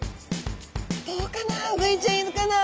どうかな？